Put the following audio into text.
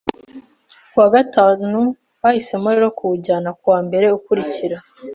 Ku wa gatanu, bahisemo rero kuwujyana ku wa mbere ukurikira.